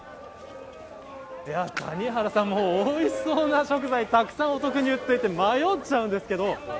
谷原さん、おいしそうな食材たくさん売っていて迷っちゃいます。